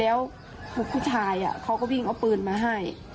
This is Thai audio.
แล้วผู้ชายเขาก็วิ่งเอาปืนมาให้